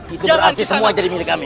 itu berarti semua jadi milik kami